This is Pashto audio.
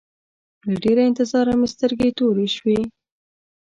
له ډېره انتظاره مې سترګې تورې شوې.